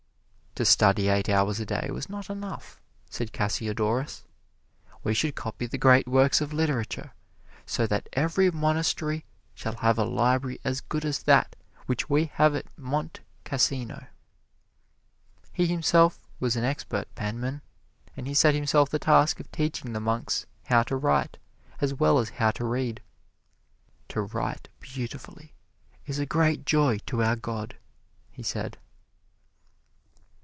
"To study eight hours a day was not enough," said Cassiodorus. "We should copy the great works of literature so that every monastery shall have a library as good as that which we have at Monte Cassino." He himself was an expert penman, and he set himself the task of teaching the monks how to write as well as how to read. "To write beautifully is a great joy to our God," he said.